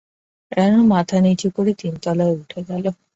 রানু মাথা নিচু করে তিনতলায় উঠে গেল।